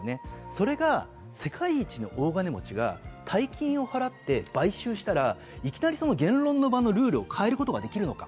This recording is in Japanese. それが世界一の大金持ちが大金を払って買収したらいきなり言論の場のルールを変えることができるのか。